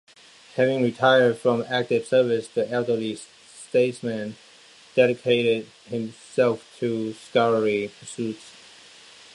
Having retired from active service, the elderly statesman dedicated himself to scholarly pursuits.